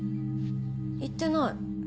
言ってない。